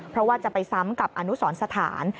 เพราะว่าจะไปซ้ำกับอนุสรสถาน